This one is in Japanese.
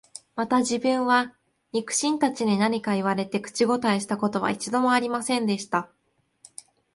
また自分は、肉親たちに何か言われて、口応えした事は一度も有りませんでした